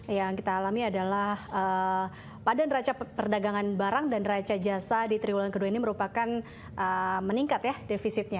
yang kita alami adalah pada neraca perdagangan barang dan raca jasa di triwulan kedua ini merupakan meningkat ya defisitnya